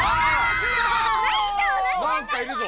終了！なんかいるぞ！